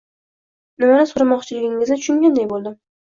Nimani so`ramoqchiligingizni tushunganday bo`ldim